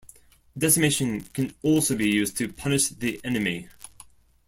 Decimation can be also used to punish the enemy.